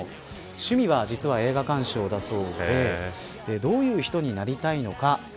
趣味は、実は映画鑑賞だそうでどういう人になりたいのか。